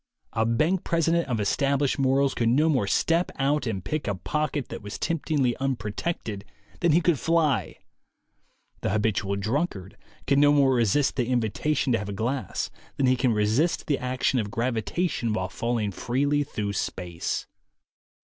A bank president of established morals could no more step out and pick a pocket that was temptingly unprotected than he could fly. The habitual drunkard can no more resist the invitation to have a glass than he can resist the action of gravi tation while falling freely through space.